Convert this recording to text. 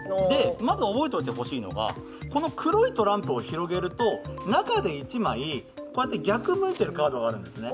まず覚えておいてほしいのは黒いトランプを広げると中で１枚、逆を向いているカードがあるんですね。